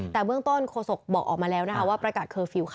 แต่เบื้องต้นโฆษกบอกออกมาแล้วนะคะว่าประกาศเคอร์ฟิลล์ค่ะ